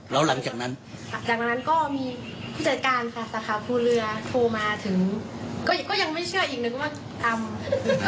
แล้วหลังจากนั้นจากนั้นก็มีผู้จัดการค่ะสาขาภูเรือโทรมาถึงก็ยังไม่เชื่ออีกนึกว่าทำ